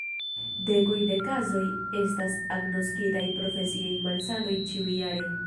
Dekoj de kazoj estas agnoskitaj profesiaj malsanoj ĉiujare.